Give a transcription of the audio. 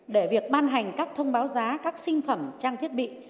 để việc ban hành các thông báo giá các sinh phẩm trang thiết bị